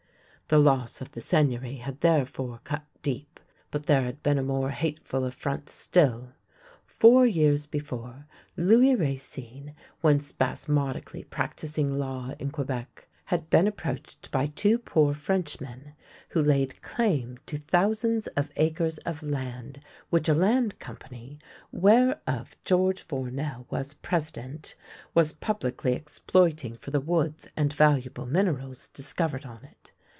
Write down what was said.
The loss of the Seigneury had therefore cut deep, but" 24 THE LANE THAT HAD NO TURNING • there had been a more hateful affront stilL Four years before, Louis Racine, when spasmodically practising law in Quebec, had been approached by two poor Frenchmen who laid claim to thousands of acres of land which a Land Company, whereof George Fournel was president, was publicly exploiting for the woods and valuable minerals discovered on it.